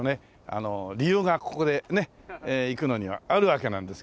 あの理由がここでねっ行くのにはあるわけなんですけどもね。